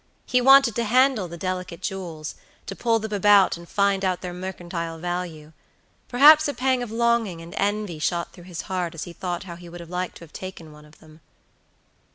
He wanted to handle the delicate jewels; to pull them about, and find out their mercantile value. Perhaps a pang of longing and envy shot through his heart as he thought how he would have liked to have taken one of them.